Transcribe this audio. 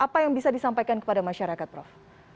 apa yang bisa disampaikan kepada masyarakat prof